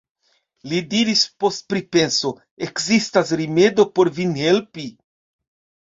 li diris post pripenso: ekzistas rimedo por vin helpi.